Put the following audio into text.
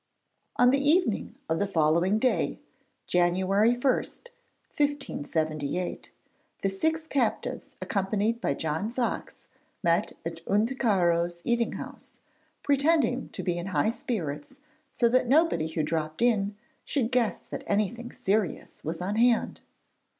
On the evening of the following day, January 1, 1578, the six captives accompanied by John Fox met at Unticaro's eating house, pretending to be in high spirits so that nobody who dropped in should guess that anything serious was on hand.